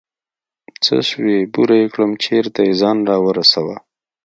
څه سوې بوره يې كړم چېرته يې ځان راورسوه.